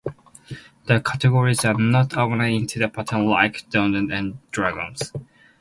The categories are not organized into a pattern like Dungeons and Dragons.